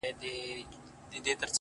د زړه له درده درته وايمه دا،